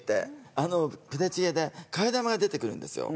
あのプデチゲで替え玉が出てくるんですよ